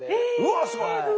わすごい！